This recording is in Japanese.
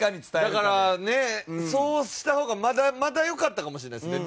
だからねそうした方がまだ良かったかもしれないですね。